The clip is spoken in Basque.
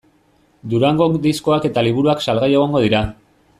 Durangon diskoak eta liburuak salgai egongo dira.